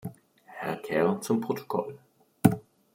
Herr Kerr zum Protokoll.